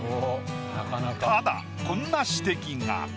ただこんな指摘が。